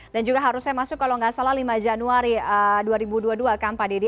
dan juga harusnya masuk kalau nggak salah lima januari dua ribu dua puluh dua pak dedy